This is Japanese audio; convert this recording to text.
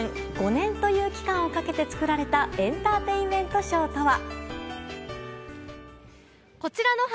５年という期間をかけて作られたエンターテインメントショーとは。